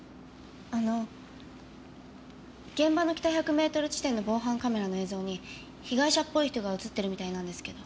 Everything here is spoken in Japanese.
あの現場の北１００メートル地点の防犯カメラの映像に被害者っぽい人が映ってるみたいなんですけど。